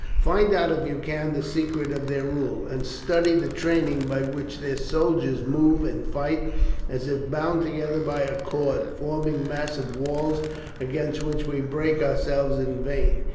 Find out if you can the secret of their rule, and study the training by which their soldiers move and fight as if bound together by a cord, forming massive walls against which we break ourselves in vain.